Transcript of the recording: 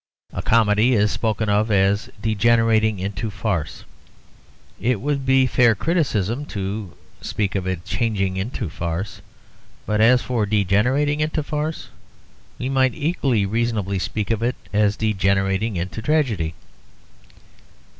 A comedy is spoken of as 'degenerating into farce'; it would be fair criticism to speak of it 'changing into farce'; but as for degenerating into farce, we might equally reasonably speak of it as degenerating into tragedy.